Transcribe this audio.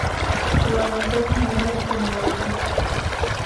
Лара лзыҳәан иара дтәымуаҩхеит.